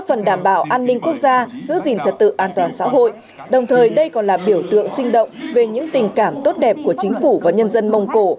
an ninh quốc gia giữ gìn trật tự an toàn xã hội đồng thời đây còn là biểu tượng sinh động về những tình cảm tốt đẹp của chính phủ và nhân dân mông cổ